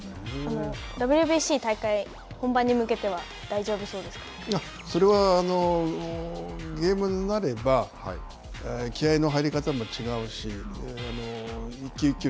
ＷＢＣ大会本番に向けてはそれはゲームになれば気合いの入り方も違うし、一球一球